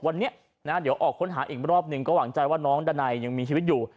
วันนี้นะเดี๋ยวออกค้นหาอีกรอบหนึ่งก็หวังใจว่าน้องดันัยยังมีชีวิตอยู่